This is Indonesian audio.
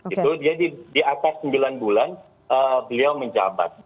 itu dia di atas sembilan bulan beliau menjabat